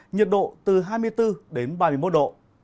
nhiệt độ từ hai mươi bốn đến ba mươi một độ